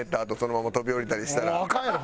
アカンやろ。